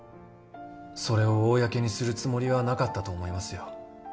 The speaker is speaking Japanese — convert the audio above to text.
それを公にするつもりはなかったと思いますよ。